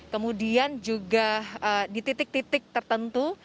kemudian juga di titik titik tertentu